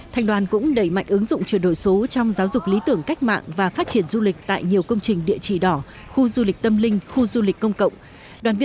thành đoàn cũng đẩy mạnh ứng dụng chuyển đổi số trong giáo dục lý tưởng cách mạng và phát triển du lịch tại nhiều công trình địa chỉ đỏ khu du lịch tâm linh khu du lịch công cộng